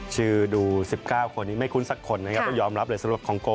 ชื่อดู๑๙คนนี้ไม่คุ้นสักคนนะครับต้องยอมรับเลยสำหรับคองโก